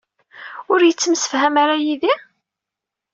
Ur yettemsefham ara yid-i?